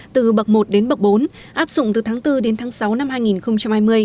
từ bậc một đến bậc bốn áp dụng từ tháng bốn đến tháng sáu năm hai nghìn hai mươi